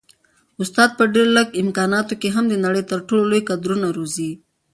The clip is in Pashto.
استاد په ډېر لږ امکاناتو کي هم د نړۍ تر ټولو لوی کدرونه روزي.